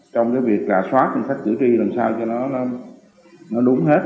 trong việc rà soát danh sách cử tri làm sao cho nó đúng hết